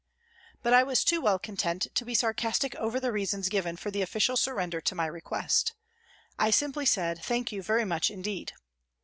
But I was too well content to be sarcastic over the reasons given for the official surrender to my request. I bimply said " Thank you very much indeed."